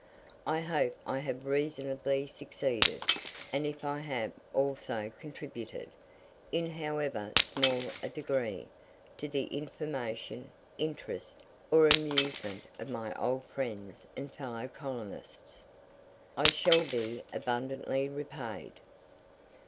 I hope I have reasonably succeeded; and if I have also contributed, in however small a degree, to the information, interest, or amusement of my old friends and fellow colonists, I shall be abundantly repaid.